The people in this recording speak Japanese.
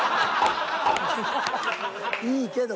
いいけど。